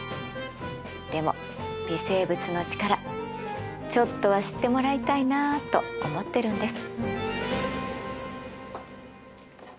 でも微生物の力ちょっとは知ってもらいたいなと思ってるんです。